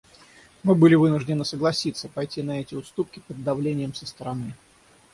Мы были вынуждены согласиться пойти на эти уступки под давлением со стороны.